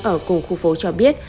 ở cùng khu phố cho biết